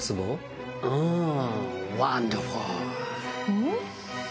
うん？